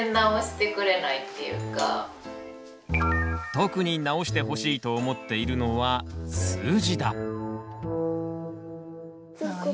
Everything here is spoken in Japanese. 特に直してほしいと思っているのは数字だ。